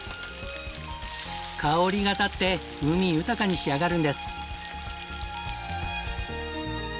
香りが立って風味豊かに仕上がるんです。